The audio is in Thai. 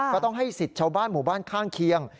ก็ต้องให้สิทธิ์ชาวบ้านหมู่บ้านข้างเคียง